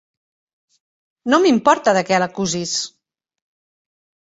No m'importa de què l'acusis!